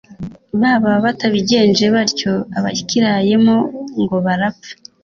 Baba batabigenje batyo, abakirayemo ngo barapfa